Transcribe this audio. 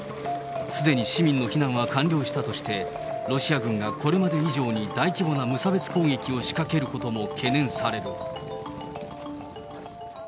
すでに市民の避難は完了したとして、ロシア軍がこれまで以上に大規模な無差別攻撃を仕掛けることも懸念される。